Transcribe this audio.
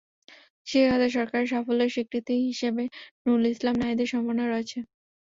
শিক্ষা খাতে সরকারের সাফল্যের স্বীকৃতি হিসেবে নুরুল ইসলাম নাহিদের সম্ভাবনা রয়েছে।